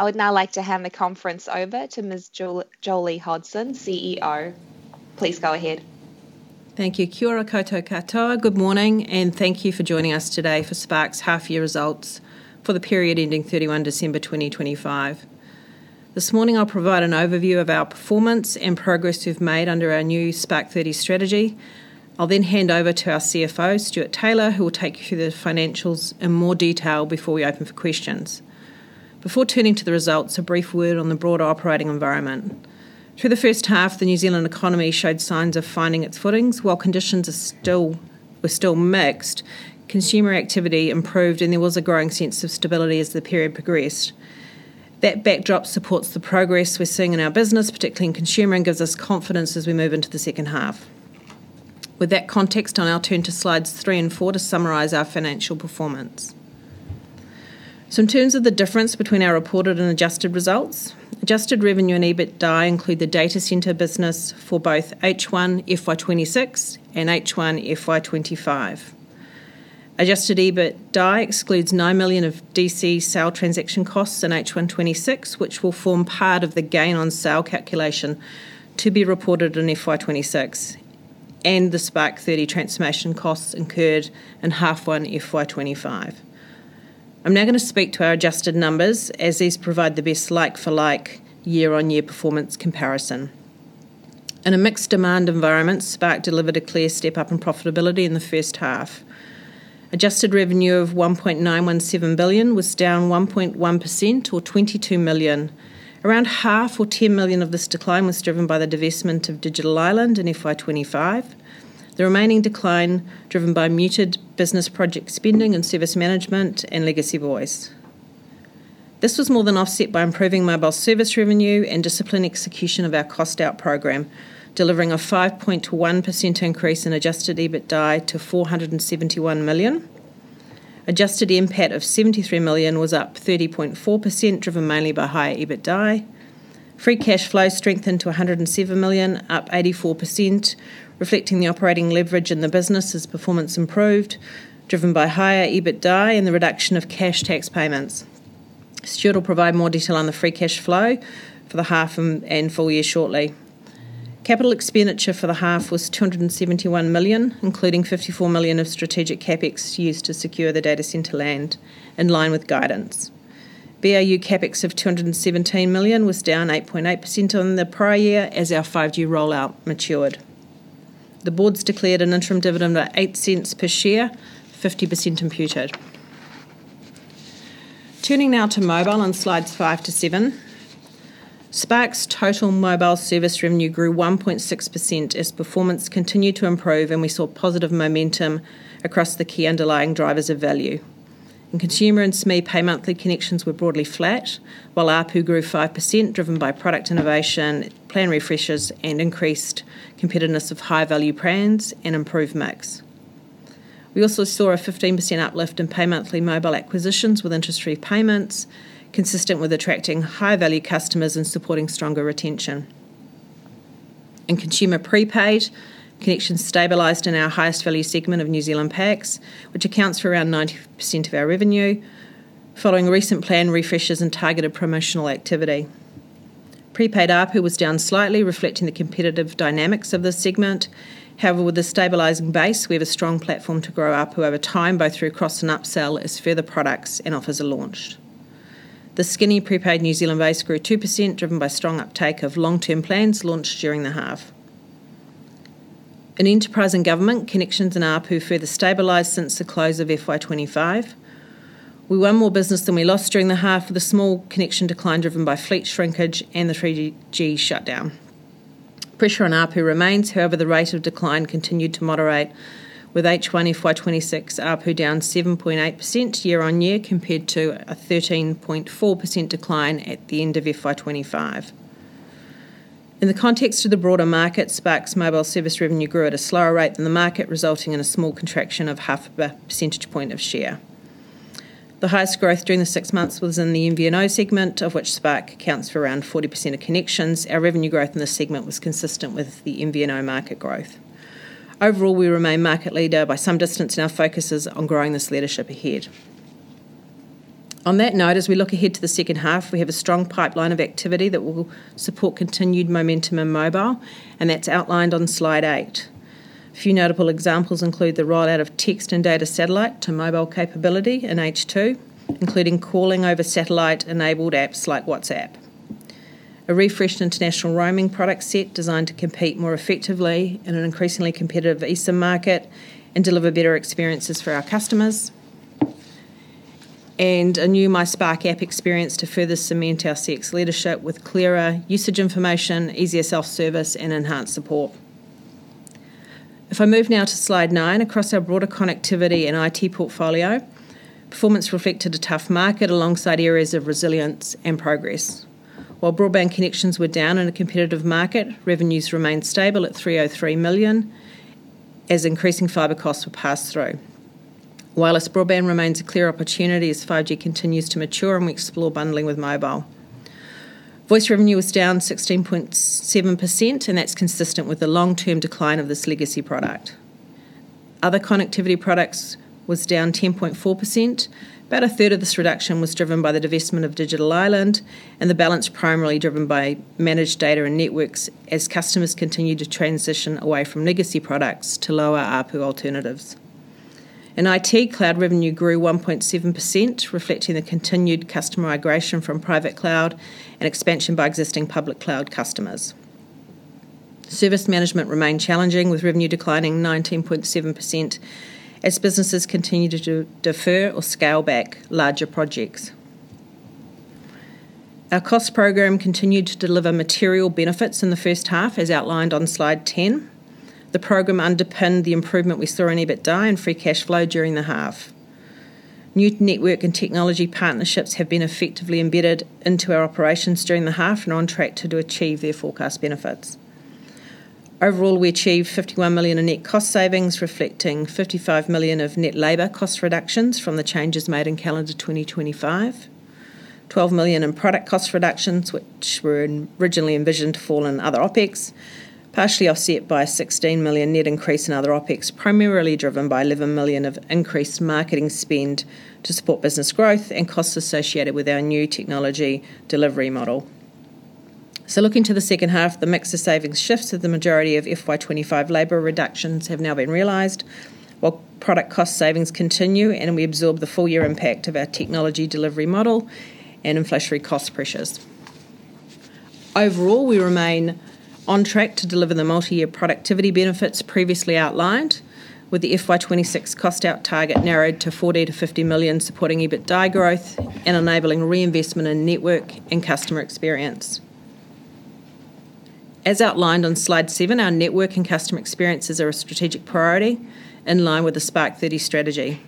I would now like to hand the conference over to Ms. Jolie Hodson, CEO. Please go ahead. Thank you. Good morning, and thank you for joining us today for Spark's half-year results for the period ending 31 December 2025. This morning, I'll provide an overview of our performance and progress we've made under our new Spark 30 strategy. I'll then hand over to our CFO, Stewart Taylor, who will take you through the financials in more detail before we open for questions. Before turning to the results, a brief word on the broader operating environment. Through the first half, the New Zealand economy showed signs of finding its footings. While conditions were still mixed, consumer activity improved, and there was a growing sense of stability as the period progressed. That backdrop supports the progress we're seeing in our business, particularly in consumer, and gives us confidence as we move into the second half. With that context, I'll now turn to slides three and four to summarize our financial performance. So in terms of the difference between our reported and adjusted results, adjusted revenue and EBITDA include the data center business for both H1 FY 2026 and H1 FY 2025. Adjusted EBITDA excludes 9 million of DC sale transaction costs in H1 2026, which will form part of the gain on sale calculation to be reported in FY 2026 and the Spark 30 transformation costs incurred in H1 FY 2025. I'm now gonna speak to our adjusted numbers, as these provide the best like-for-like, year-on-year performance comparison. In a mixed demand environment, Spark delivered a clear step-up in profitability in the first half. Adjusted revenue of 1.917 billion was down 1.1%, or 22 million. Around half, or 10 million, of this decline was driven by the divestment of Digital Island in FY25. The remaining decline driven by muted business project spending and service management and legacy voice. This was more than offset by improving mobile service revenue and disciplined execution of our cost-out program, delivering a 5.1% increase in adjusted EBITDA to 471 million. Adjusted NPAT of 73 million was up 30.4%, driven mainly by higher EBITDA. Free cash flow strengthened to 107 million, up 84%, reflecting the operating leverage in the business as performance improved, driven by higher EBITDA and the reduction of cash tax payments. Stewart will provide more detail on the free cash flow for the half and full year shortly. Capital expenditure for the half was NZD 271 million, including NZD 54 million of strategic CapEx used to secure the data center land in line with guidance. BAU CapEx of 217 million was down 8.8% on the prior year as our five-year rollout matured. The board's declared an interim dividend of 0.08 per share, 50% imputed. Turning now to mobile on slides five to seven. Spark's total mobile service revenue grew 1.6% as performance continued to improve, and we saw positive momentum across the key underlying drivers of value. In consumer and SME, pay-monthly connections were broadly flat, while ARPU grew 5%, driven by product innovation, plan refreshes, and increased competitiveness of high-value plans and improved mix. We also saw a 15% uplift in pay-monthly mobile acquisitions with interest-free payments, consistent with attracting high-value customers and supporting stronger retention. In consumer prepaid, connections stabilized in our highest value segment of New Zealand packs, which accounts for around 90% of our revenue, following recent plan refreshes and targeted promotional activity. Prepaid ARPU was down slightly, reflecting the competitive dynamics of this segment. However, with a stabilizing base, we have a strong platform to grow ARPU over time, both through cross and upsell, as further products and offers are launched. The Skinny prepaid New Zealand base grew 2%, driven by strong uptake of long-term plans launched during the half. In enterprise and government, connections and ARPU further stabilized since the close of FY 25. We won more business than we lost during the half, with a small connection decline driven by fleet shrinkage and the 3G shutdown. Pressure on ARPU remains; however, the rate of decline continued to moderate, with H1 FY26 ARPU down 7.8% year-on-year, compared to a 13.4% decline at the end of FY25. In the context of the broader market, Spark's mobile service revenue grew at a slower rate than the market, resulting in a small contraction of 0.5 percentage point of share. The highest growth during the six months was in the MVNO segment, of which Spark accounts for around 40% of connections. Our revenue growth in this segment was consistent with the MVNO market growth. Overall, we remain market leader by some distance, and our focus is on growing this leadership ahead. On that note, as we look ahead to the second half, we have a strong pipeline of activity that will support continued momentum in mobile, and that's outlined on slide eight. A few notable examples include the rollout of text and data satellite to mobile capability in H2, including calling over satellite-enabled apps like WhatsApp. A refreshed international roaming product set designed to compete more effectively in an increasingly competitive eSIM market and deliver better experiences for our customers. And a new My Spark app experience to further cement our CX leadership with clearer usage information, easier self-service, and enhanced support. If I move now to slide nine, across our broader connectivity and IT portfolio, performance reflected a tough market alongside areas of resilience and progress. While broadband connections were down in a competitive market, revenues remained stable at 303 million, as increasing fiber costs were passed through. Wireless broadband remains a clear opportunity as 5G continues to mature, and we explore bundling with mobile. Voice revenue was down 16.7%, and that's consistent with the long-term decline of this legacy product. Other connectivity products was down 10.4%. About a third of this reduction was driven by the divestment of Digital Island, and the balance primarily driven by managed data and networks as customers continue to transition away from legacy products to lower ARPU alternatives. In IT, cloud revenue grew 1.7%, reflecting the continued customer migration from private cloud and expansion by existing public cloud customers. Service management remained challenging, with revenue declining 19.7% as businesses continue to defer or scale back larger projects. Our cost program continued to deliver material benefits in the first half, as outlined on Slide 10. The program underpinned the improvement we saw in EBITDA and free cash flow during the half. New network and technology partnerships have been effectively embedded into our operations during the half and are on track to achieve their forecast benefits. Overall, we achieved 51 million in net cost savings, reflecting 55 million of net labor cost reductions from the changes made in calendar 2025. 12 million in product cost reductions, which were originally envisioned to fall in other OpEx, partially offset by a 16 million net increase in other OpEx, primarily driven by 11 million of increased marketing spend to support business growth and costs associated with our new technology delivery model. So looking to the second half, the mix of savings shifts, as the majority of FY 25 labor reductions have now been realized, while product cost savings continue and we absorb the full year impact of our technology delivery model and inflationary cost pressures. Overall, we remain on track to deliver the multi-year productivity benefits previously outlined, with the FY 26 cost out target narrowed to 40 million-50 million, supporting EBITDA growth and enabling reinvestment in network and customer experience. As outlined on Slide seven, our network and customer experiences are a strategic priority in line with the Spark 30 strategy.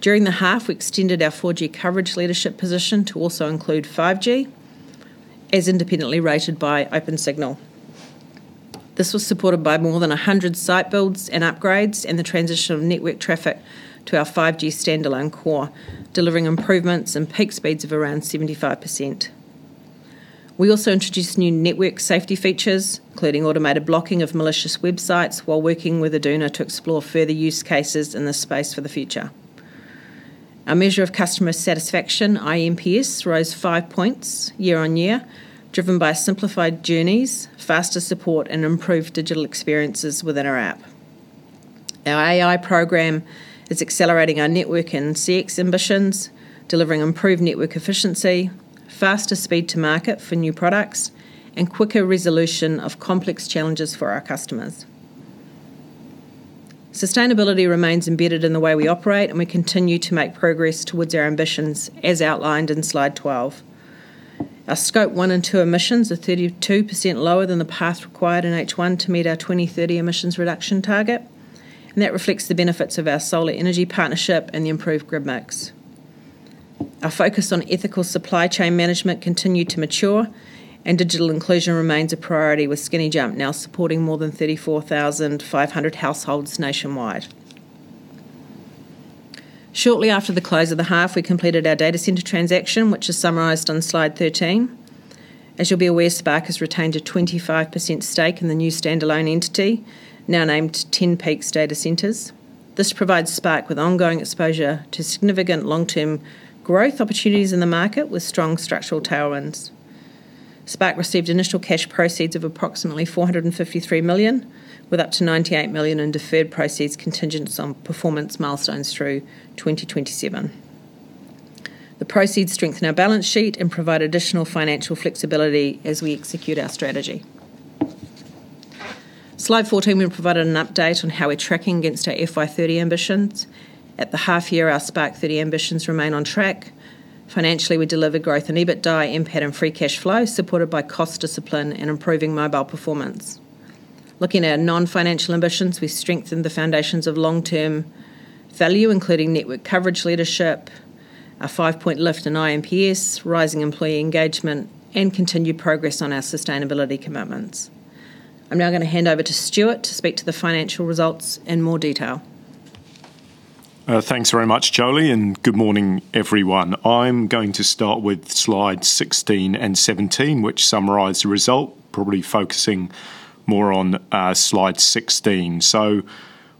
During the half, we extended our 4G coverage leadership position to also include 5G, as independently rated by Opensignal. This was supported by more than 100 site builds and upgrades and the transition of network traffic to our 5G standalone core, delivering improvements and peak speeds of around 75%. We also introduced new network safety features, including automated blocking of malicious websites, while working with Aduna to explore further use cases in this space for the future. Our measure of customer satisfaction, iNPS, rose 5 points year-on-year, driven by simplified journeys, faster support, and improved digital experiences within our app. Our AI program is accelerating our network and CX ambitions, delivering improved network efficiency, faster speed to market for new products, and quicker resolution of complex challenges for our customers. Sustainability remains embedded in the way we operate, and we continue to make progress towards our ambitions, as outlined in Slide 12. Our Scope one and two emissions are 32% lower than the path required in H1 to meet our 2030 emissions reduction target, and that reflects the benefits of our solar energy partnership and the improved grid mix. Our focus on ethical supply chain management continued to mature, and digital inclusion remains a priority, with Skinny Jump now supporting more than 34,500 households nationwide. Shortly after the close of the half, we completed our data center transaction, which is summarized on Slide 13. As you'll be aware, Spark has retained a 25% stake in the new standalone entity, now named TenPeaks Data Centers. This provides Spark with ongoing exposure to significant long-term growth opportunities in the market with strong structural tailwinds. Spark received initial cash proceeds of approximately 453 million, with up to 98 million in deferred proceeds contingent on performance milestones through 2027. The proceeds strengthen our balance sheet and provide additional financial flexibility as we execute our strategy. Slide 14, we've provided an update on how we're tracking against our FY 30 ambitions. At the half year, our Spark 30 ambitions remain on track. Financially, we delivered growth in EBITDA, NPAT, and free cash flow, supported by cost discipline and improving mobile performance. Looking at our non-financial ambitions, we've strengthened the foundations of long-term value, including network coverage leadership, a 5-point lift in iNPS, rising employee engagement, and continued progress on our sustainability commitments. I'm now going to hand over to Stewart to speak to the financial results in more detail. Thanks very much, Jolie, and good morning, everyone. I'm going to start with Slides 16 and 17, which summarize the result, probably focusing more on slide 16. So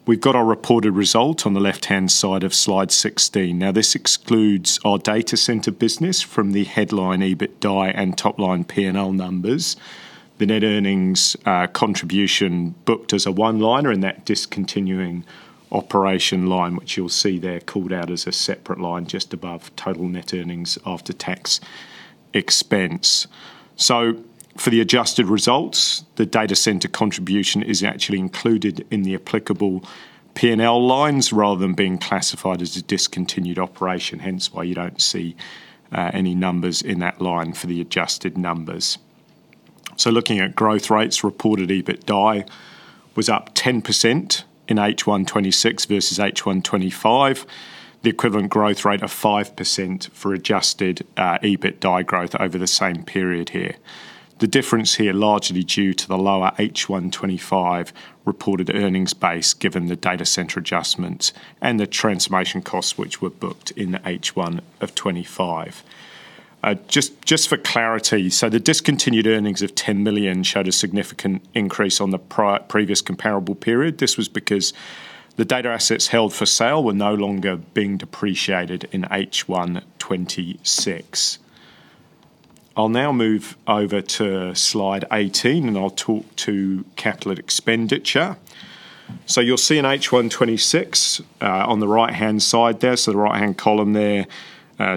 we've got our reported result on the left-hand side of Slide 16. Now, this excludes our data center business from the headline EBITDA and top-line P&L numbers. The net earnings contribution booked as a one-liner in that discontinued operation line, which you'll see there called out as a separate line just above total net earnings after tax expense. So for the adjusted results, the data center contribution is actually included in the applicable P&L lines, rather than being classified as a discontinued operation, hence why you don't see any numbers in that line for the adjusted numbers. So looking at growth rates, reported EBITDA was up 10% in H1 2026 versus H1 2025. The equivalent growth rate of 5% for adjusted EBITDA growth over the same period here. The difference here largely due to the lower H1 2025 reported earnings base, given the data center adjustments and the transformation costs, which were booked in the H1 of 2025. Just for clarity, so the discontinued earnings of 10 million showed a significant increase on the previous comparable period. This was because the data assets held for sale were no longer being depreciated in H1 2026. I'll now move over to slide 18, and I'll talk to capital expenditure. So you'll see in H1 2026, on the right-hand side there, so the right-hand column there,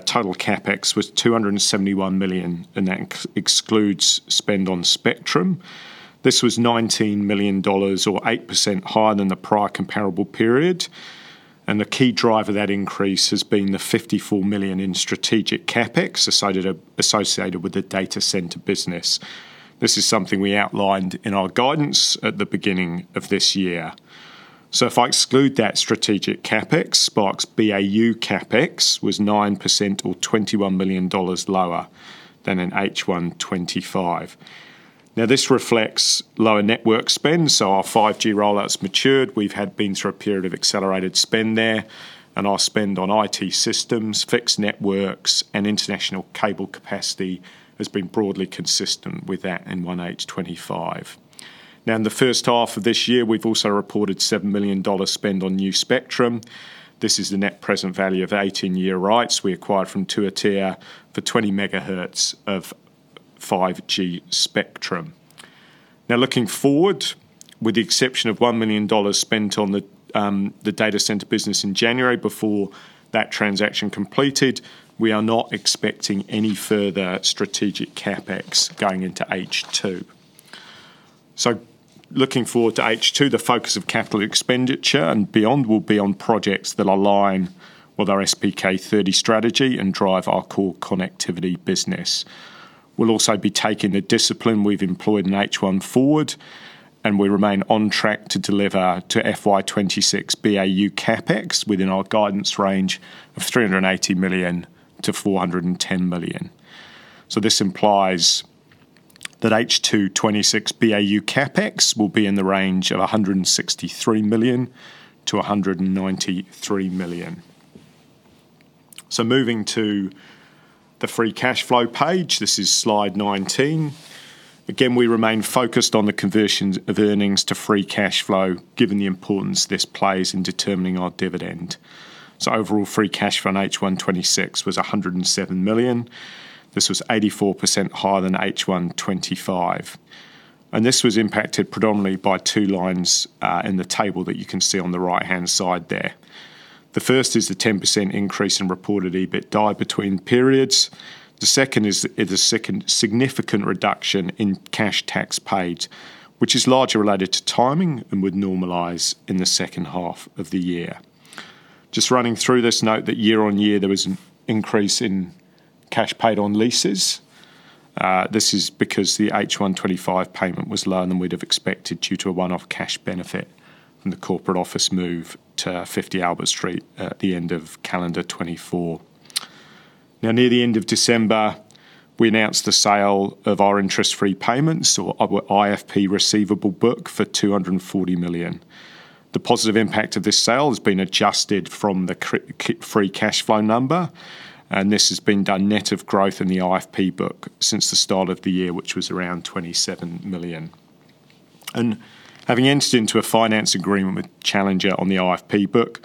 total CapEx was 271 million, and that excludes spend on spectrum. This was NZD 19 million, or 8% higher than the prior comparable period, and the key driver of that increase has been the 54 million in strategic CapEx, associated with the data center business. This is something we outlined in our guidance at the beginning of this year. So if I exclude that strategic CapEx, Spark's BAU CapEx was 9%, or 21 million dollars lower than in H1 25. Now, this reflects lower network spend, so our 5G rollout's matured. We've had been through a period of accelerated spend there, and our spend on IT systems, fixed networks, and international cable capacity has been broadly consistent with that in 1H25. Now, in the first half of this year, we've also reported 7 million dollars spend on new spectrum. This is the net present value of 18-year rights we acquired from Tū Ātea for 20 MHz of 5G spectrum. Now, looking forward, with the exception of 1 million dollars spent on the data center business in January before that transaction completed, we are not expecting any further strategic CapEx going into H2. Looking forward to H2, the focus of capital expenditure and beyond will be on projects that align with our SPK 30 strategy and drive our core connectivity business. We'll also be taking the discipline we've employed in H1 forward, and we remain on track to deliver to FY 2026 BAU CapEx within our guidance range of 380 million-410 million. This implies that H2 2026 BAU CapEx will be in the range of 163 million-193 million. Moving to the free cash flow page, this is slide 19. Again, we remain focused on the conversion of earnings to free cash flow, given the importance this plays in determining our dividend. So overall, free cash from H1 26 was 107 million. This was 84% higher than H1 25, and this was impacted predominantly by two lines in the table that you can see on the right-hand side there. The first is the 10% increase in reported EBITDA between periods. The second is a second significant reduction in cash tax paid, which is largely related to timing and would normalize in the second half of the year. Just running through this, note that year-on-year, there was an increase in cash paid on leases. This is because the H1 25 payment was lower than we'd have expected, due to a one-off cash benefit from the corporate office move to 50 Albert Street at the end of calendar 2024. Now, near the end of December, we announced the sale of our interest-free payments or our IFP receivable book for 240 million. The positive impact of this sale has been adjusted from the free cash flow number, and this has been done net of growth in the IFP book since the start of the year, which was around 27 million. And having entered into a finance agreement with Challenger on the IFP book,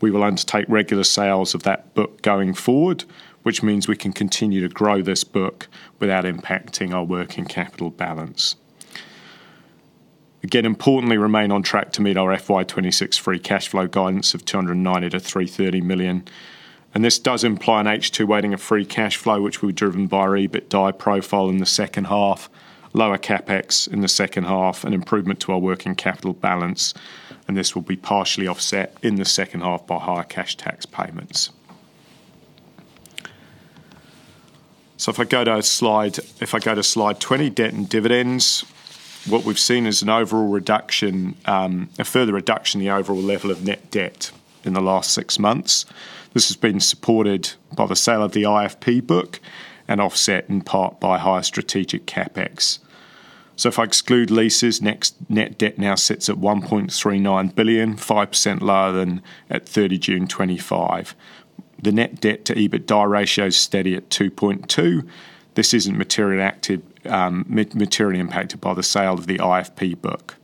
we will undertake regular sales of that book going forward, which means we can continue to grow this book without impacting our working capital balance. Again, importantly, remain on track to meet our FY 2026 free cash flow guidance of 290 million-330 million, and this does imply an H2 weighting of free cash flow, which will be driven by our EBITDA profile in the second half, lower CapEx in the second half, an improvement to our working capital balance, and this will be partially offset in the second half by higher cash tax payments. So if I go to slide. If I go to slide 20, debt and dividends, what we've seen is an overall reduction, a further reduction in the overall level of net debt in the last six months. This has been supported by the sale of the IFP book and offset in part by higher strategic CapEx. So if I exclude leases, next, net debt now sits at 1.39 billion, 5% lower than at 30 June 2025. The net debt to EBITDA ratio is steady at 2.2. This isn't materially impacted by the sale of the IFP book.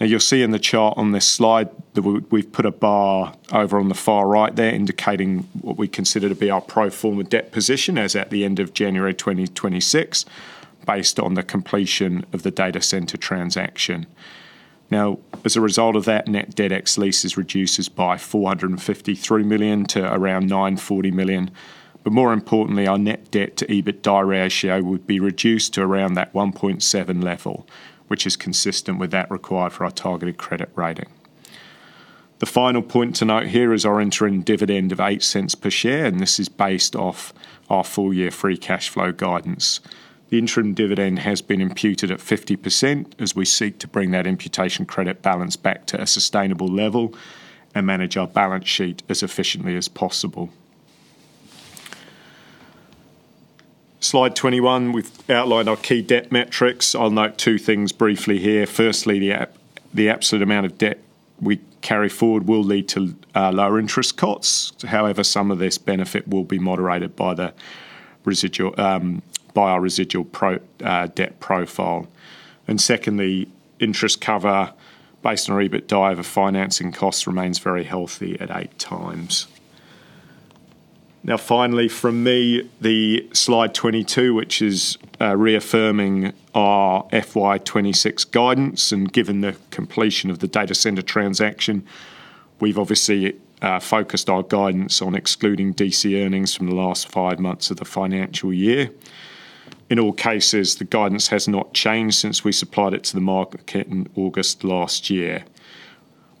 Now, you'll see in the chart on this slide that we've put a bar over on the far right there, indicating what we consider to be our pro forma debt position as at the end of January 2026, based on the completion of the data center transaction. Now, as a result of that net debt, ex leases reduces by 453 million to around 940 million, but more importantly, our net debt to EBITDA ratio would be reduced to around that 1.7 level, which is consistent with that required for our targeted credit rating. The final point to note here is our interim dividend of 0.08 per share, and this is based off our full-year free cash flow guidance. The interim dividend has been imputed at 50% as we seek to bring that imputation credit balance back to a sustainable level and manage our balance sheet as efficiently as possible. Slide 21, we've outlined our key debt metrics. I'll note two things briefly here. Firstly, the absolute amount of debt we carry forward will lead to lower interest costs. However, some of this benefit will be moderated by the residual by our residual debt profile. Secondly, interest cover based on our EBITDA over financing costs remains very healthy at eight times. Now, finally, from me, the slide 22, which is reaffirming our FY 2026 guidance, and given the completion of the data center transaction, we've obviously focused our guidance on excluding DC earnings from the last 5 months of the financial year. In all cases, the guidance has not changed since we supplied it to the market in August last year.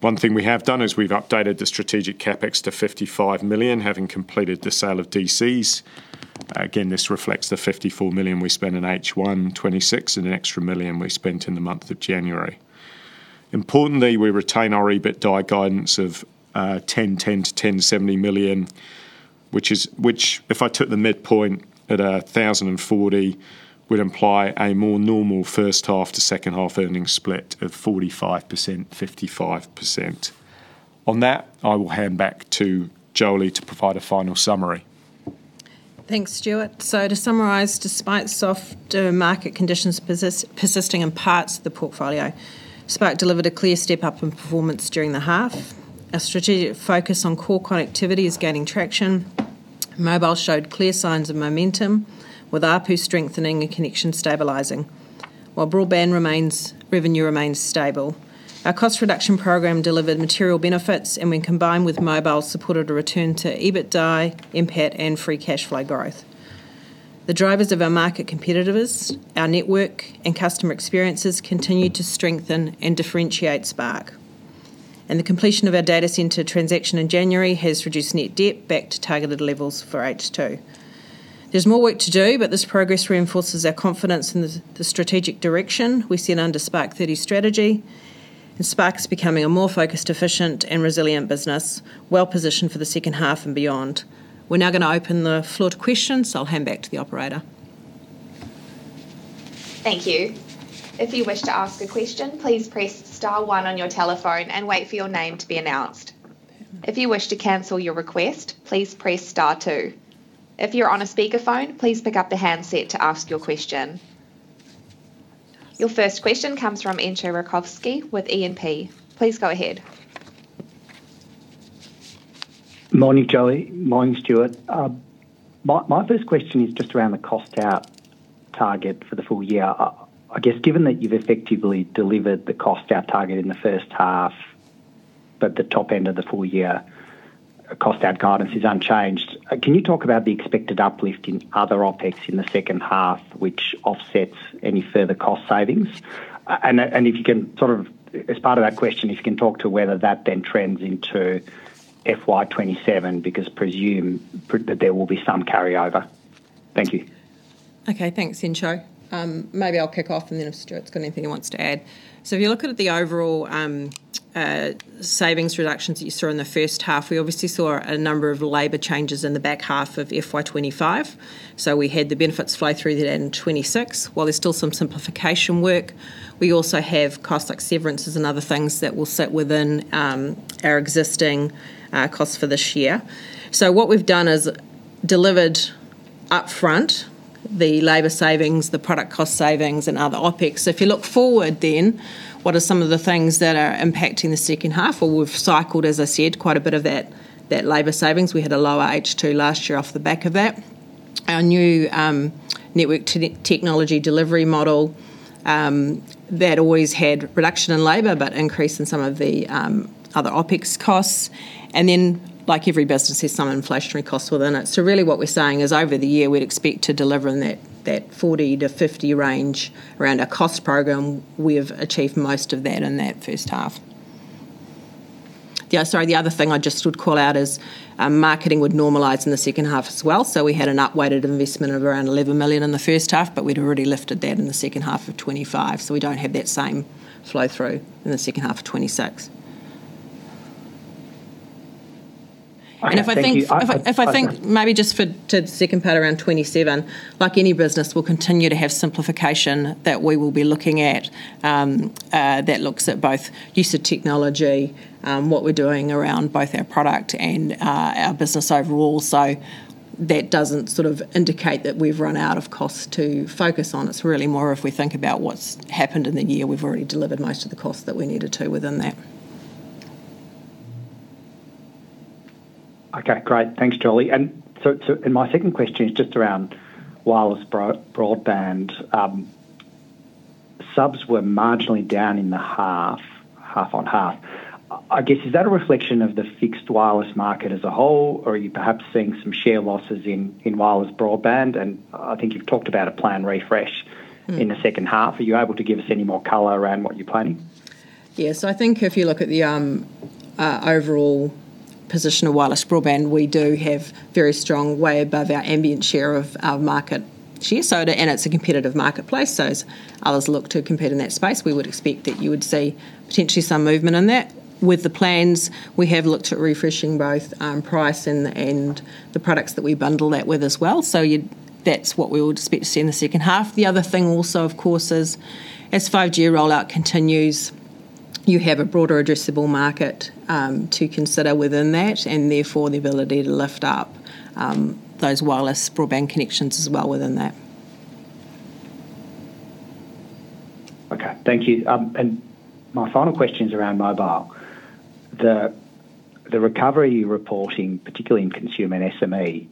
One thing we have done is we've updated the strategic CapEx to 55 million, having completed the sale of DCs. Again, this reflects the 54 million we spent in H1 2026 and an extra 1 million we spent in the month of January. Importantly, we retain our EBITDA guidance of 1,010 million-1,070 million, which if I took the midpoint at 1,040, would imply a more normal first half to second half earning split of 45%, 55%. On that, I will hand back to Jolie to provide a final summary. Thanks, Stewart. So to summarize, despite softer market conditions persisting in parts of the portfolio, Spark delivered a clear step-up in performance during the half. Our strategic focus on core connectivity is gaining traction. Mobile showed clear signs of momentum, with ARPU strengthening and connections stabilizing, while broadband revenue remains stable. Our cost reduction program delivered material benefits, and when combined with mobile, supported a return to EBITDA, NPAT, and free cash flow growth. The drivers of our market outperformance, our network and customer experiences continued to strengthen and differentiate Spark. The completion of our data center transaction in January has reduced net debt back to targeted levels for H2. There's more work to do, but this progress reinforces our confidence in the strategic direction we set under Spark 30 strategy, and Spark's becoming a more focused, efficient and resilient business, well-positioned for the second half and beyond. We're now going to open the floor to questions, so I'll hand back to the operator. Thank you. If you wish to ask a question, please press star one on your telephone and wait for your name to be announced. If you wish to cancel your request, please press star two. If you're on a speakerphone, please pick up the handset to ask your question. Your first question comes from Entcho Raykovski with E&P. Please go ahead. Morning, Jolie. Morning, Stewart. My first question is just around the cost out target for the full year. I guess given that you've effectively delivered the cost out target in the first half, but the top end of the full year cost out guidance is unchanged, can you talk about the expected uplift in other OpEx in the second half, which offsets any further cost savings? And if you can, sort of, as part of that question, if you can talk to whether that then trends into FY 2027, because I presume that there will be some carryover. Thank you. Okay, thanks, Entcho. Maybe I'll kick off, and then if Stewart's got anything he wants to add. So if you're looking at the overall savings reductions that you saw in the first half, we obviously saw a number of labor changes in the back half of FY 25. So we had the benefits flow through that in 26. While there's still some simplification work, we also have costs like severances and other things that will sit within our existing costs for this year. So what we've done is delivered upfront the labor savings, the product cost savings, and other OpEx. So if you look forward then, what are some of the things that are impacting the second half? Well, we've cycled, as I said, quite a bit of that labor savings. We had a lower H2 last year off the back of that. Our new network technology delivery model that always had reduction in labor, but increase in some of the other OpEx costs. And then, like every business, there's some inflationary costs within it. So really what we're saying is, over the year, we'd expect to deliver in that 40-50 range around our cost program. We have achieved most of that in that first half. Sorry, the other thing I just would call out is, marketing would normalize in the second half as well. So we had an upweighted investment of around 11 million in the first half, but we'd already lifted that in the second half of 2025, so we don't have that same flow-through in the second half of 2026. All right. Thank you. And if I think maybe just for, to the second part around 27, like any business, we'll continue to have simplification that we will be looking at, that looks at both use of technology, what we're doing around both our product and, our business overall. So that doesn't sort of indicate that we've run out of costs to focus on. It's really more if we think about what's happened in the year, we've already delivered most of the costs that we needed to within that. Okay, great. Thanks, Jolie. And so, my second question is just around wireless broadband. Subs were marginally down in the half, half on half. I guess, is that a reflection of the fixed wireless market as a whole, or are you perhaps seeing some share losses in wireless broadband? And I think you've talked about a plan refresh. Mm. In the second half. Are you able to give us any more color around what you're planning? Yes. I think if you look at the overall position of wireless broadband, we do have very strong, way above our ambient share of our market share. So and it's a competitive marketplace, so as others look to compete in that space, we would expect that you would see potentially some movement in that. With the plans, we have looked at refreshing both price and the products that we bundle that with as well. So that's what we would expect to see in the second half. The other thing also, of course, is as 5G rollout continues, you have a broader addressable market to consider within that, and therefore the ability to lift up those wireless broadband connections as well within that. Okay, thank you. And my final question's around mobile. The recovery you're reporting, particularly in consumer and SME,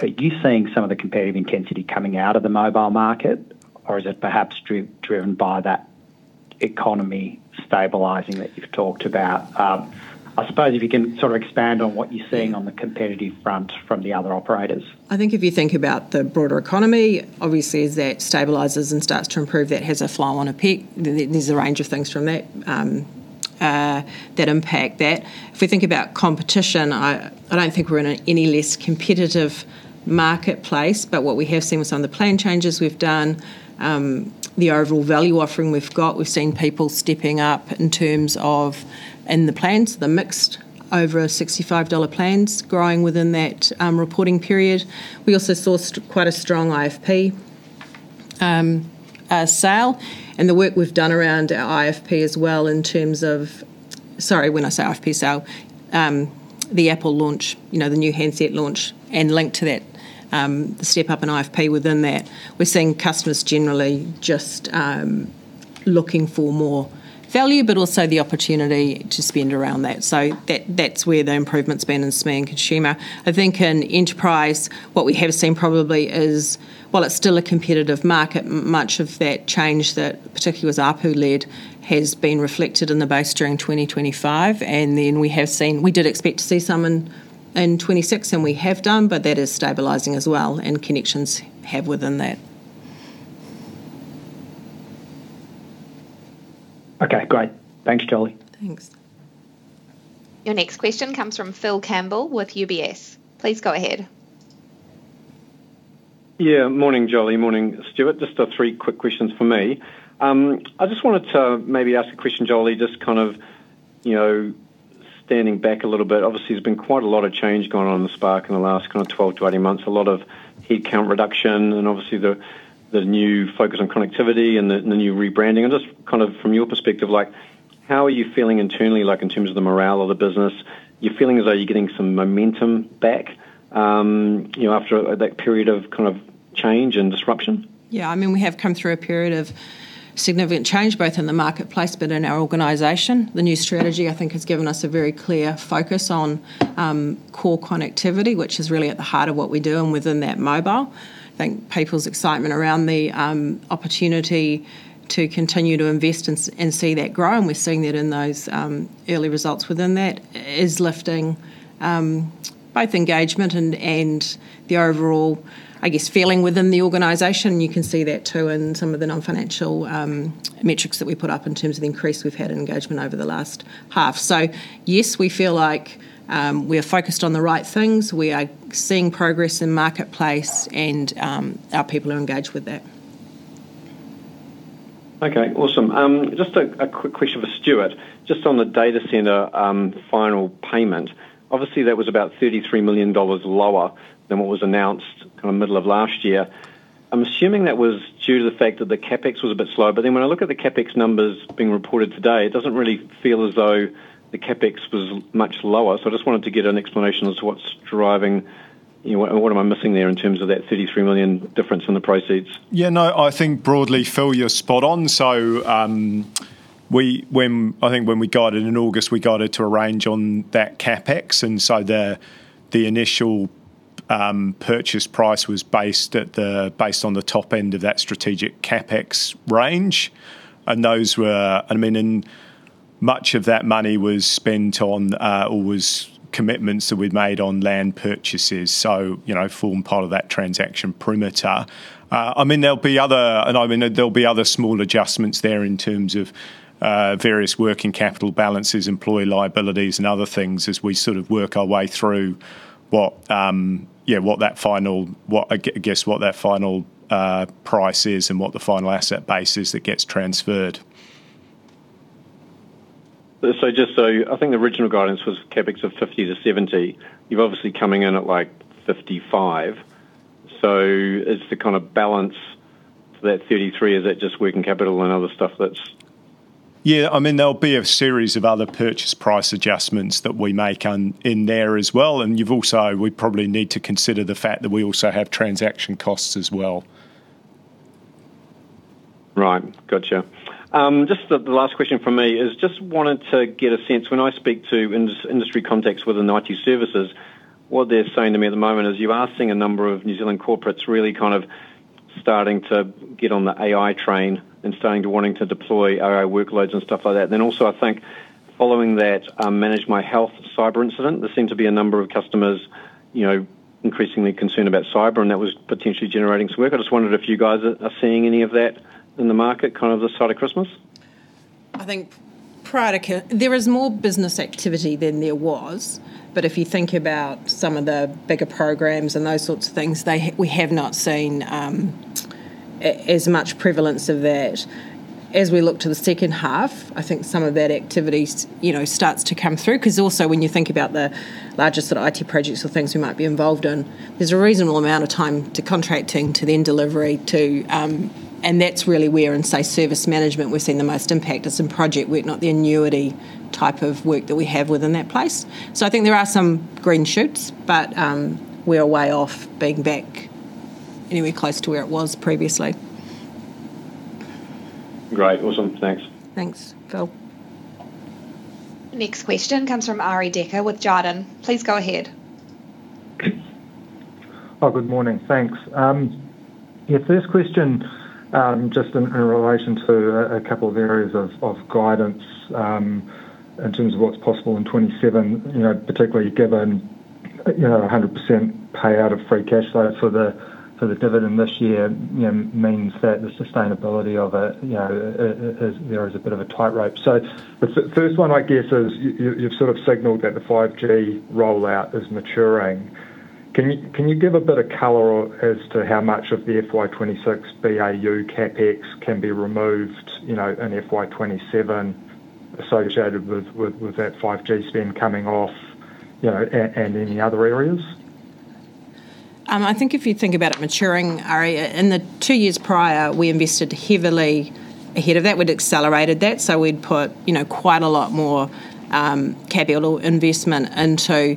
are you seeing some of the competitive intensity coming out of the mobile market? Or is it perhaps driven by that economy stabilizing that you've talked about? I suppose if you can sort of expand on what you're seeing on the competitive front from the other operators. I think if you think about the broader economy, obviously, as that stabilizes and starts to improve, that has a flow on effect. There's a range of things from that that impact that. If we think about competition, I don't think we're in any less competitive marketplace, but what we have seen with some of the plan changes we've done, the overall value offering we've got. We've seen people stepping up in terms of-- in the plans, the mixed over 65-dollar plans growing within that reporting period. We also saw quite a strong IFP sale, and the work we've done around our IFP as well, in terms of. Sorry, when I say IFP sale, the Apple launch, you know, the new handset launch, and linked to that, the step up in IFP within that. We're seeing customers generally just looking for more value, but also the opportunity to spend around that. So that, that's where the improvement's been in SME and consumer. I think in enterprise, what we have seen probably is, while it's still a competitive market, much of that change that particularly was ARPU-led, has been reflected in the base during 2025. And then we have seen, we did expect to see some in 2026, and we have done, but that is stabilizing as well, and connections have within that. Okay, great. Thanks, Jolie. Thanks. Your next question comes from Phil Campbell with UBS. Please go ahead. Yeah, morning, Jolie. Morning, Stewart. Just three quick questions from me. I just wanted to maybe ask a question, Jolie, just kind of, you know, standing back a little bit. Obviously, there's been quite a lot of change going on in Spark in the last kind of 12-18 months. A lot of headcount reduction and obviously the new focus on connectivity and the new rebranding. And just kind of from your perspective, like, how are you feeling internally, like in terms of the morale of the business? You're feeling as though you're getting some momentum back, you know, after that period of kind of change and disruption? Yeah, I mean, we have come through a period of significant change, both in the marketplace, but in our organization. The new strategy, I think, has given us a very clear focus on core connectivity, which is really at the heart of what we do, and within that, mobile. I think people's excitement around the opportunity to continue to invest and see that grow, and we're seeing that in those early results within that, is lifting both engagement and the overall, I guess, feeling within the organization. You can see that too, in some of the non-financial metrics that we put up in terms of the increase we've had in engagement over the last half. So yes, we feel like we are focused on the right things. We are seeing progress in marketplace and our people are engaged with that. Okay, awesome. Just a quick question for Stewart. Just on the data center final payment. Obviously, that was about 33 million dollars lower than what was announced kind of middle of last year. I'm assuming that was due to the fact that the CapEx was a bit slow, but then when I look at the CapEx numbers being reported today, it doesn't really feel as though the CapEx was much lower. So I just wanted to get an explanation as to what's driving, you know, what, what am I missing there in terms of that 33 million difference in the proceeds? Yeah, no, I think broadly, Phil, you're spot on. So, I think when we guided in August, we guided to a range on that CapEx, and so the initial purchase price was based on the top end of that strategic CapEx range. And those were. I mean, and much of that money was spent on or was commitments that we'd made on land purchases, so, you know, form part of that transaction perimeter. I mean, there'll be other small adjustments there in terms of various working capital balances, employee liabilities, and other things, as we sort of work our way through what that final, what, I guess, what that final price is and what the final asset base is that gets transferred. So just so I think the original guidance was CapEx of 50-70. You're obviously coming in at, like, 55. So is the kind of balance to that 33, is it just working capital and other stuff that's. Yeah, I mean, there'll be a series of other purchase price adjustments that we make on in there as well. And you've also. We probably need to consider the fact that we also have transaction costs as well. Right. Gotcha. Just the last question from me is just wanted to get a sense, when I speak to industry contacts within IT services, what they're saying to me at the moment is, you are seeing a number of New Zealand corporates really kind of starting to get on the AI train and starting to wanting to deploy AI workloads and stuff like that. Then also, I think following that, ManageMyHealth cyber incident, there seemed to be a number of customers, you know, increasingly concerned about cyber, and that was potentially generating some work. I just wondered if you guys are seeing any of that in the market, kind of this side of Christmas? I think prior to Christmas there is more business activity than there was, but if you think about some of the bigger programs and those sorts of things, we have not seen as much prevalence of that. As we look to the second half, I think some of that activity you know starts to come through. 'Cause also, when you think about the larger sort of IT projects or things we might be involved in, there's a reasonable amount of time to contracting, to then delivery, to. And that's really where in, say, service management, we're seeing the most impact. It's in project work, not the annuity type of work that we have within that place. So I think there are some green shoots, but we are way off being back anywhere close to where it was previously. Great. Awesome. Thanks. Thanks. Cool. Next question comes from Arie Dekker with Jarden. Please go ahead. Oh, good morning. Thanks. Yeah, first question, just in relation to a couple of areas of guidance, in terms of what's possible in 2027, you know, particularly given, you know, 100% payout of free cash flow for the dividend this year, you know, means that the sustainability of it, you know, is a bit of a tightrope. So the first one, I guess, is you've sort of signaled that the 5G rollout is maturing. Can you give a bit of color as to how much of the FY 2026 BAU CapEx can be removed, you know, in FY 2027 associated with that 5G spend coming off, you know, and any other areas? I think if you think about it maturing, Arie, in the two years prior, we invested heavily ahead of that. We'd accelerated that, so we'd put, you know, quite a lot more capital investment into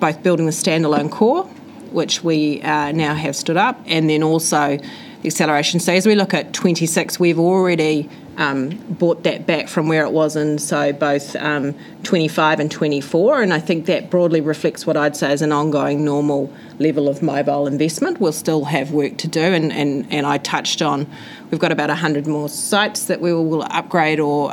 both building the standalone core, which we now have stood up, and then also the acceleration. So as we look at 2026, we've already brought that back from where it was in, so both 2025 and 2024, and I think that broadly reflects what I'd say is an ongoing normal level of mobile investment. We'll still have work to do, and I touched on we've got about 100 more sites that we will upgrade or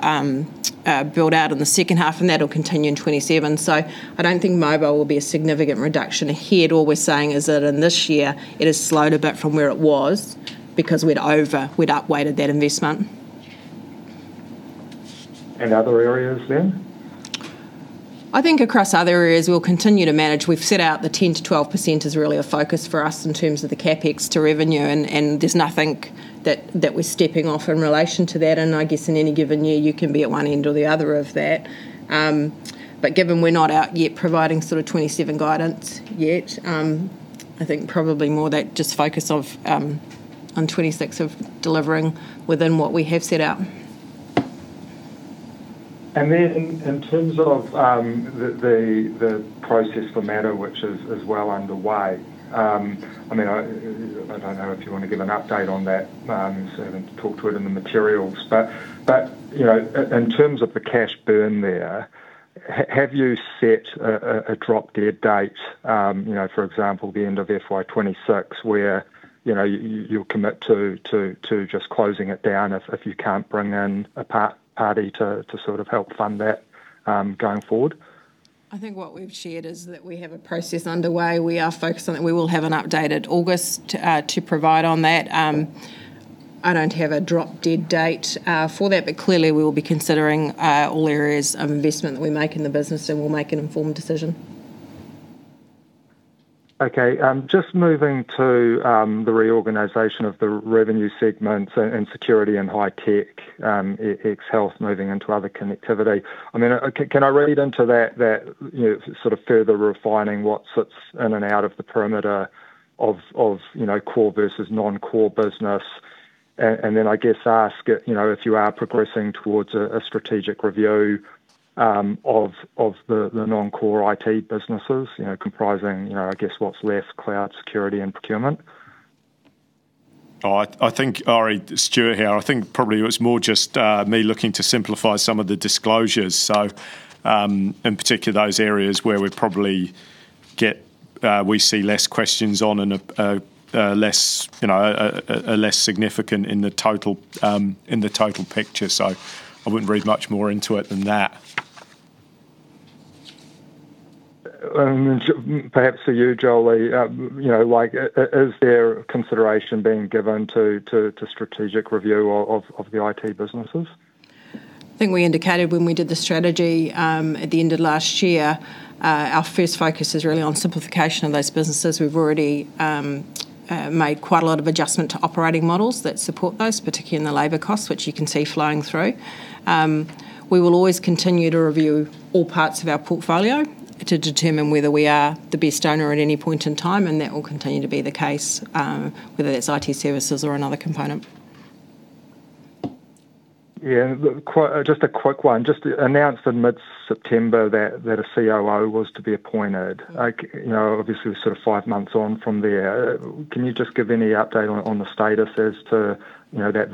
build out in the second half, and that'll continue in 2027. So I don't think mobile will be a significant reduction here. All we're saying is that in this year, it has slowed a bit from where it was because we'd upweighted that investment. Any other areas then? I think across other areas, we'll continue to manage. We've set out the 10%-12% is really a focus for us in terms of the CapEx to revenue, and there's nothing that we're stepping off in relation to that. And I guess in any given year, you can be at one end or the other of that. But given we're not out yet providing sort of 2027 guidance yet, I think probably more that just focus of on 2026 of delivering within what we have set out. And then in terms of the process for MATTR, which is well underway, I mean, I don't know if you want to give an update on that, so I mean, talk to it in the materials. But you know, in terms of the cash burn there, have you set a drop-dead date, you know, for example, the end of FY 2026, where you know, you'll commit to just closing it down if you can't bring in a party to sort of help fund that, going forward? I think what we've shared is that we have a process underway. We are focused on it. We will have an update at August to provide on that. I don't have a drop-dead date for that, but clearly, we will be considering all areas of investment that we make in the business, and we'll make an informed decision. Okay, just moving to the reorganization of the revenue segments and security and high-tech, ex health moving into other connectivity. I mean, can I read into that, that you know, sort of further refining what sits in and out of the perimeter of you know, core versus non-core business? And then I guess ask, you know, if you are progressing towards a strategic review of the non-core IT businesses, you know, comprising you know, I guess what's left, cloud, security, and procurement. I think, Arie, Stewart here. I think probably it was more just me looking to simplify some of the disclosures. So, in particular, those areas where we probably get we see less questions on and less, you know, less significant in the total, in the total picture. So I wouldn't read much more into it than that. Perhaps for you, Jolie, you know, is there consideration being given to strategic review of the IT businesses? I think we indicated when we did the strategy at the end of last year, our first focus is really on simplification of those businesses. We've already made quite a lot of adjustment to operating models that support those, particularly in the labor costs, which you can see flowing through. We will always continue to review all parts of our portfolio to determine whether we are the best owner at any point in time, and that will continue to be the case, whether it's IT services or another component. Yeah, just a quick one. Just announced in mid-September that a COO was to be appointed. Like, you know, obviously, we're sort of five months on from there. Can you just give any update on the status as to, you know, that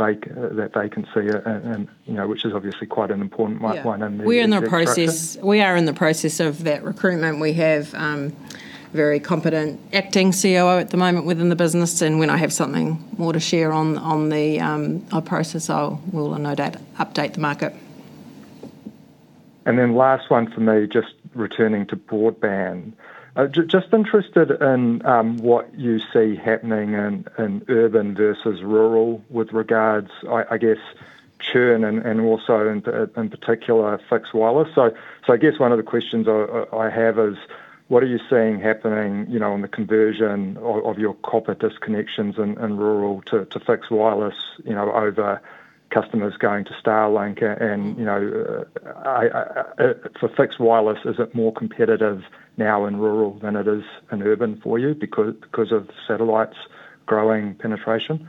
they can see it and, you know, which is obviously quite an important one point in the. We're in the process of that recruitment. We have very competent acting COO at the moment within the business, and when I have something more to share on our process, I'll no doubt update the market. And then last one for me, just returning to broadband. Just interested in what you see happening in urban versus rural with regards, I guess, churn and also in particular, fixed wireless. So I guess one of the questions I have is: What are you seeing happening, you know, on the conversion of your copper disconnections in rural to fixed wireless, you know, over customers going to Starlink? And, you know, for fixed wireless, is it more competitive now in rural than it is in urban for you because of satellite's growing penetration?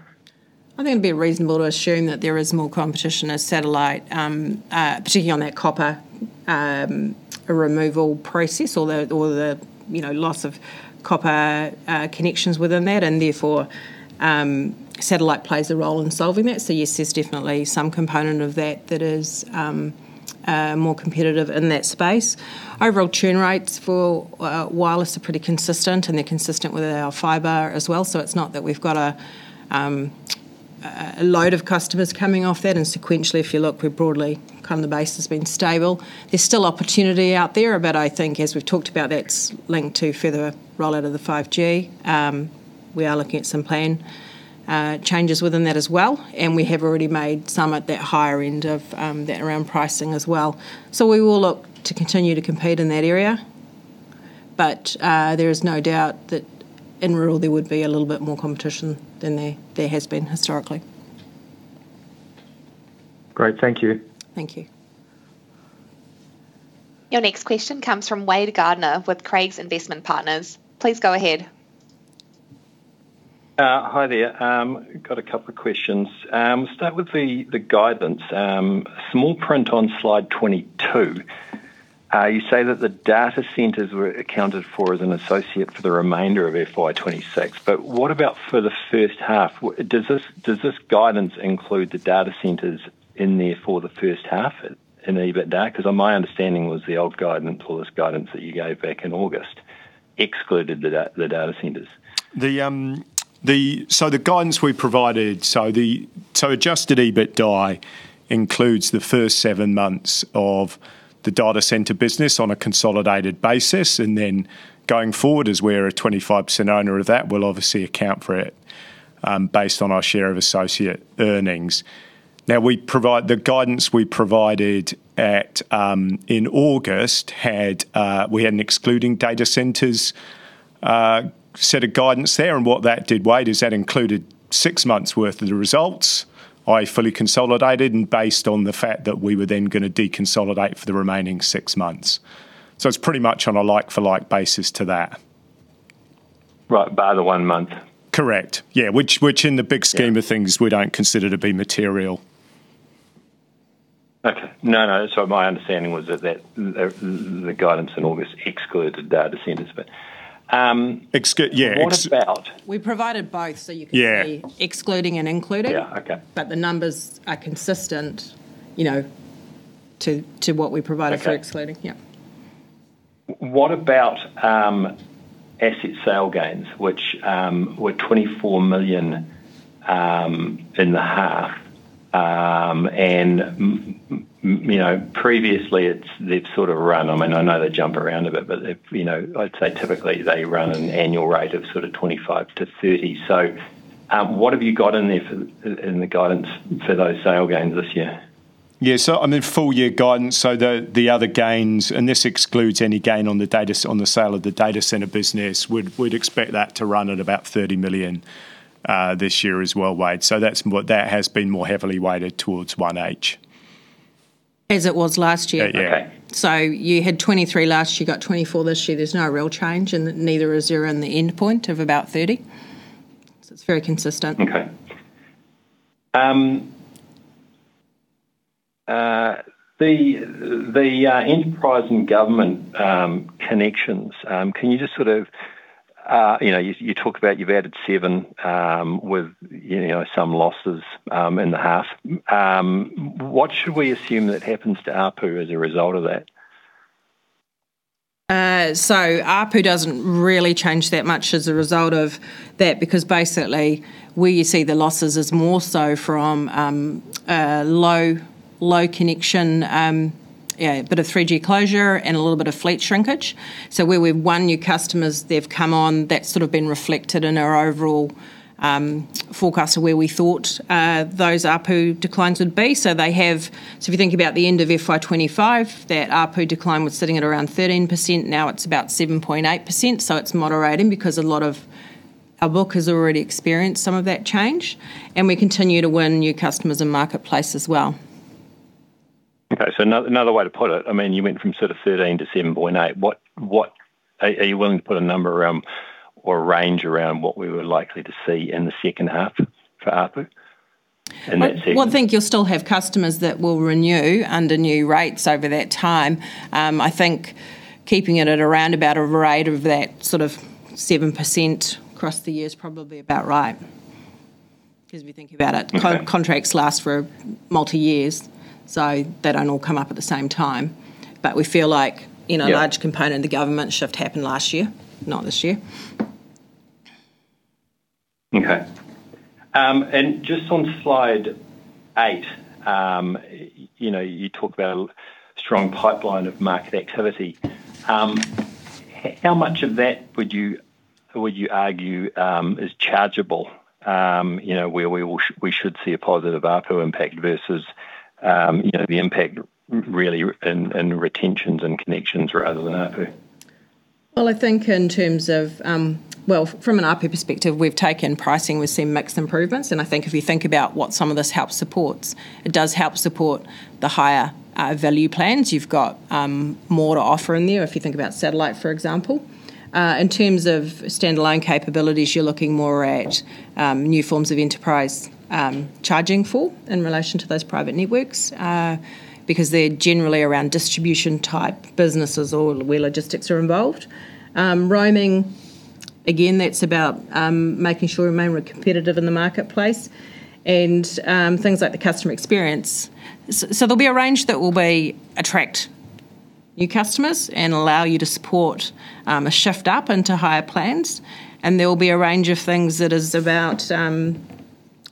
I think it'd be reasonable to assume that there is more competition as satellite, particularly on that copper, removal process or the, or the, you know, loss of copper, connections within that, and therefore, satellite plays a role in solving that. So yes, there's definitely some component of that that is, more competitive in that space. Overall churn rates for, wireless are pretty consistent, and they're consistent with our fiber as well. So it's not that we've got a, a load of customers coming off that. And sequentially, if you look, we've broadly kind of the base has been stable. There's still opportunity out there, but I think as we've talked about, that's linked to further rollout of the 5G. We are looking at some plan changes within that as well, and we have already made some at that higher end of that around pricing as well. So we will look to continue to compete in that area. But there is no doubt that in rural there would be a little bit more competition than there has been historically. Great. Thank you. Thank you. Your next question comes from Wade Gardiner with Craigs Investment Partners. Please go ahead. Hi there. Got a couple of questions. Start with the guidance. Small print on slide 22, you say that the data centers were accounted for as an associate for the remainder of FY 2026, but what about for the first half? Does this guidance include the data centers in there for the first half in EBITDA? 'Cause my understanding was the old guidance or this guidance that you gave back in August excluded the data centers. So the guidance we provided, so adjusted EBITDA includes the first seven months of the data center business on a consolidated basis, and then going forward, as we're a 25% owner of that, we'll obviously account for it, based on our share of associate earnings. Now, the guidance we provided in August had, we had an excluding data centers set of guidance there. And what that did, Wade, is that included six months' worth of the results. I fully consolidated and based on the fact that we were then gonna deconsolidate for the remaining six months. So it's pretty much on a like-for-like basis to that. Right, bar the one month? Correct. Yeah, which in the big scheme of things, we don't consider to be material. Okay. No, no, so my understanding was that the guidance in August excluded the data centers, but, Yeah What about. We provided both, so you can see. Yeah. Excluding and including. Yeah, okay. But the numbers are consistent, you know, to what we provided for excluding. Okay. Yeah. What about asset sale gains, which were 24 million in the half? And you know, previously, it's, they've sort of run, I mean, I know they jump around a bit, but they've, you know, I'd say typically they run an annual rate of sort of 25 million-30 million. So, what have you got in there for in the guidance for those sale gains this year? Yeah, so, I mean, full-year guidance, so the other gains, and this excludes any gain on the data center business. We'd expect that to run at about 30 million this year as well, Wade. So that's what that has been more heavily weighted towards 1H. As it was last year. Okay. Yeah. So you had 23 last year, you got 24 this year. There's no real change, and neither is there in the end point of about 30, so it's very consistent. Okay. The enterprise and government connections, can you just sort of, you know. You talk about you've added seven, with, you know, some losses, in the half. What should we assume that happens to ARPU as a result of that? So ARPU doesn't really change that much as a result of that, because basically, where you see the losses is more so from a low connection, bit of 3G closure and a little bit of fleet shrinkage. So where we've won new customers, they've come on. That's sort of been reflected in our overall forecast of where we thought those ARPU declines would be. So if you think about the end of FY 2025, that ARPU decline was sitting at around 13%. Now it's about 7.8%, so it's moderating because a lot of our book has already experienced some of that change, and we continue to win new customers in marketplace as well. Okay, so another way to put it, I mean, you went from sort of 13 to 7.8. What are you willing to put a number around or a range around what we were likely to see in the second half for ARPU in that segment? Well, well, I think you'll still have customers that will renew under new rates over that time. I think keeping it at around about a rate of that sort of 7% across the year is probably about right. 'Cause if you think about it. Okay Contracts last for multi years, so they don't all come up at the same time. But we feel like, you know. Yeah A large component of the government shift happened last year, not this year. Okay. Just on slide eight, you know, you talk about a strong pipeline of market activity. How much of that would you, would you argue, is chargeable? You know, where we will, we should see a positive ARPU impact versus, you know, the impact really in, in retentions and connections rather than ARPU? Well, I think in terms of, well, from an ARPU perspective, we've taken pricing, we've seen mixed improvements. And I think if you think about what some of this help supports, it does help support the higher, value plans. You've got, more to offer in there if you think about satellite, for example. In terms of standalone capabilities, you're looking more at, new forms of enterprise, charging for in relation to those private networks. Because they're generally around distribution-type businesses or where logistics are involved. Roaming, again, that's about, making sure we remain competitive in the marketplace. And, things like the customer experience. So there'll be a range that will be, attract new customers and allow you to support, a shift up into higher plans. There will be a range of things that is about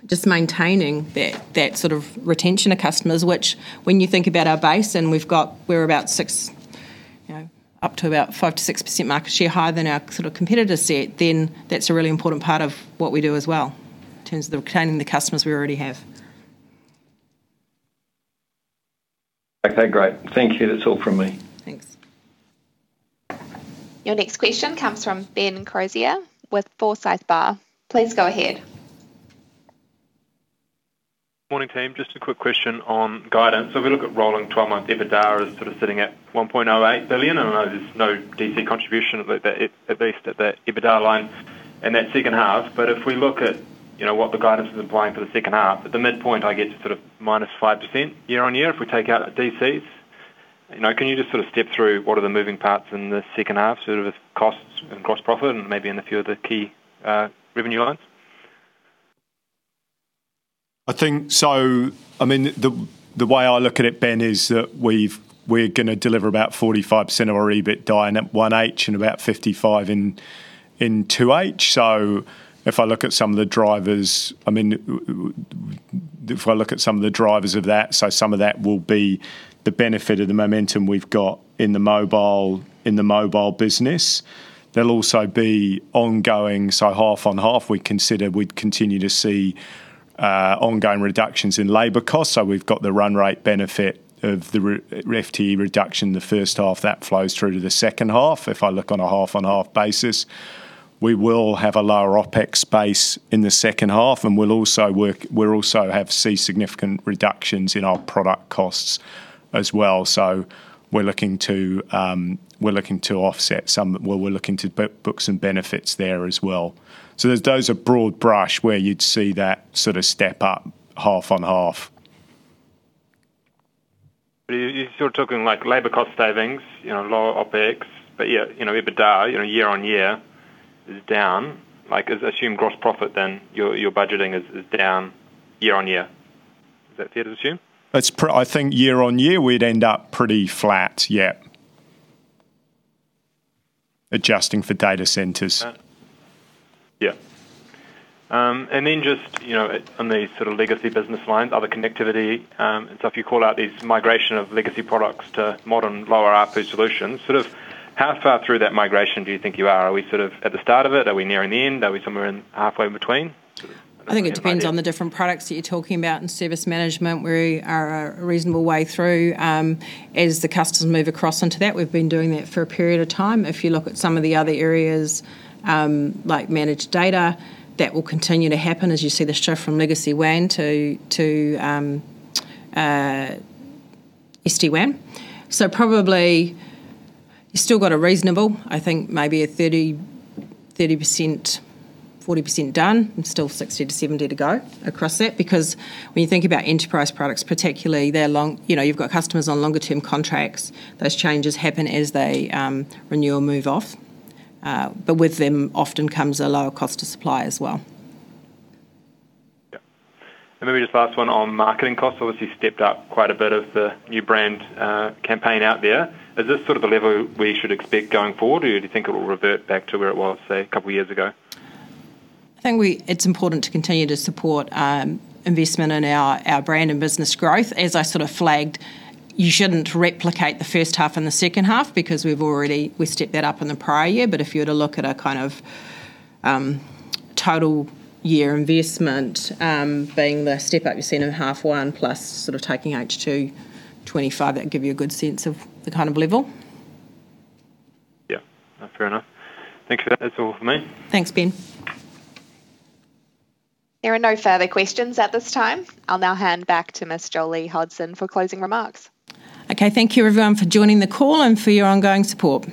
just maintaining that, that sort of retention of customers, which when you think about our base, and we've got we're about 6%, you know, up to about 5%-6% market share higher than our sort of competitor set, then that's a really important part of what we do as well, in terms of retaining the customers we already have. Okay, great. Thank you. That's all from me. Thanks. Your next question comes from Ben Crozier with Forsyth Barr. Please go ahead. Morning, team. Just a quick question on guidance. So if we look at rolling twelve-month EBITDA, it's sort of sitting at 1.08 billion. I know there's no DC contribution at least at that EBITDA line in that second half. But if we look at, you know, what the guidance is implying for the second half, at the midpoint, I get sort of -5% year-on-year if we take out the DCs. You know, can you just sort of step through what are the moving parts in the second half, sort of costs and gross profit and maybe in a few of the key revenue lines? I think so, I mean, the way I look at it, Ben, is that we're going to deliver about 45% of our EBITDA in 1H and about 55% in 2H. So if I look at some of the drivers, I mean, if I look at some of the drivers of that, so some of that will be the benefit of the momentum we've got in the mobile, in the mobile business. There'll also be ongoing, so half on half, we consider we'd continue to see ongoing reductions in labor costs. So we've got the run rate benefit of the FTE reduction in the first half. That flows through to the second half. If I look on a half-on-half basis, we will have a lower OpEx base in the second half, and we'll also have seen significant reductions in our product costs as well. So we're looking to, we're looking to book some benefits there as well. So there's a broad brush where you'd see that sort of step up half on half. But you, you're still talking, like, labor cost savings, you know, lower OpEx, but yet, you know, EBITDA, you know, year-on-year is down. Like, as assumed gross profit, then, your budgeting is down year-on-year. Is that fair to assume? It's I think year-on-year, we'd end up pretty flat, yeah. Adjusting for data centers. Yeah. And then just, you know, on the sort of legacy business lines, other connectivity, and so if you call out these migration of legacy products to modern lower ARPU solutions, sort of how far through that migration do you think you are? Are we sort of at the start of it? Are we nearing the end? Are we somewhere in halfway in between? I think it depends on the different products that you're talking about. In service management, we are a reasonable way through. As the customers move across into that, we've been doing that for a period of time. If you look at some of the other areas, like managed data, that will continue to happen as you see the shift from legacy WAN to SD-WAN. So probably, you still got a reasonable, I think maybe a 30%, 40% done and still 60%-70% to go across that. Because when you think about enterprise products, particularly, they're long. You know, you've got customers on longer term contracts. Those changes happen as they renew or move off, but with them often comes a lower cost to supply as well. Yeah. And maybe just last one on marketing costs. Obviously, stepped up quite a bit of the new brand campaign out there. Is this sort of the level we should expect going forward, or do you think it will revert back to where it was, say, a couple of years ago? I think it's important to continue to support investment in our brand and business growth. As I sort of flagged, you shouldn't replicate the first half and the second half because we've already stepped that up in the prior year. But if you were to look at a kind of total year investment being the step up you've seen in half one, plus sort of taking H2 2025, that'd give you a good sense of the kind of level. Yeah. Fair enough. Thank you. That's all from me. Thanks, Ben. There are no further questions at this time. I'll now hand back to Ms. Jolie Hodson for closing remarks. Okay, thank you, everyone, for joining the call and for your ongoing support.